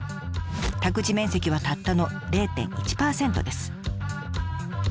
宅地面積はたったの０．１％です。